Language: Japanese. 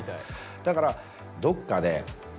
だからどっかで。